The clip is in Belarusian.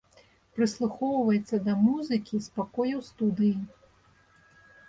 Прыслухоўваецца да музыкі з пакояў студыі.